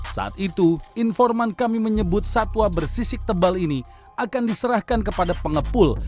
saat itu informan kami menyebut satwa bersisik tebal ini akan diserahkan kepada pengepul